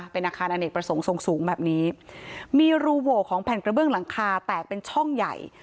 เป็นอาคารอเนกประสงค์ทรงสูงแบบนี้มีรูโหวของแผ่นกระเบื้องหลังคาแตกเป็นช่องใหญ่